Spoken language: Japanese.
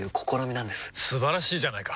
素晴らしいじゃないか！